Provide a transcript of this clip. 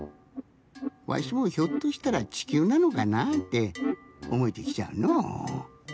わしもひょっとしたらちきゅうなのかなっておもえてきちゃうのう。